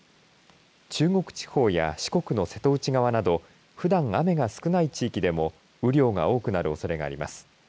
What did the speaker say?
中国地方や四国の瀬戸内側などふだん雨が少ない地域でも雨量が多くなるおそれがあります。